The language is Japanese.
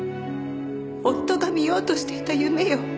夫が見ようとしていた夢よ。